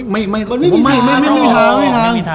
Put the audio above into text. ไม่ไม่ไม่ไม่มีทาง